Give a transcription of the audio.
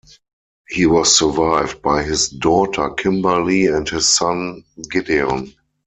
He was survived by his daughter Kimberly and his son Gideon.